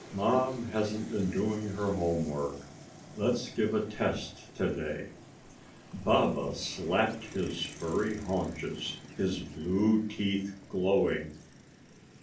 "Mom hasn't been doing her homework. Let's give a test today!" Baba slapped his furry haunches, his blue teeth glowing.